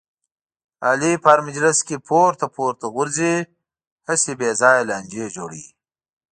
علي په هر مجلس کې پورته پورته غورځېږي، هسې بې ځایه لانجې جوړوي.